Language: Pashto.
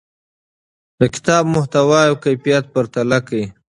د کتاب محتوا او کیفیت پرتله کړئ.